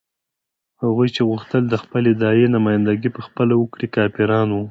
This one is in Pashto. هغوی چې غوښتل یې د خپلې داعیې نمايندګي په خپله وکړي کافران وو.